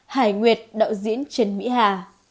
hải nguyệt đạo diễn trần mỹ hà